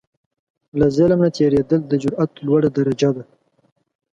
له ظلم نه تېرېدل، د جرئت لوړه درجه ده.